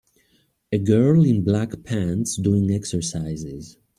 A girl in black pants doing exercises.